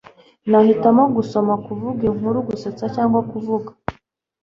Nahitamo gusoma kuvuga inkuru gusetsa cyangwa kuvuga